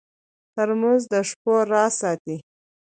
ترموز د شپو راز ساتي.